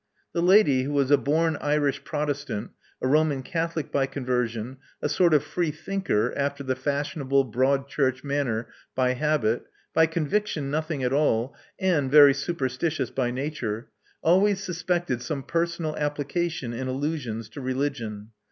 The lady, who was a born Irish Protestant, a Roman Catholic by conversion, a sort of freethinker, after the fashionable broad church manner, by habit, by con viction nothing at all, and very superstitious by nature, always suspected some personal application in allusions to religion.